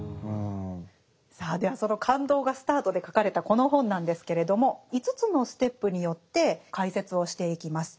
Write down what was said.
さあではその感動がスタートで書かれたこの本なんですけれども５つのステップによって解説をしていきます。